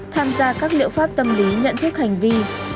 tham gia các liệu pháp tâm lý nhận thức hành vi